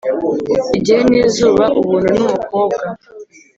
igihe n'izuba, ubuntu n'umukobwa,